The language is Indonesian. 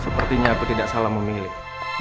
sepertinya aku tidak salah memilih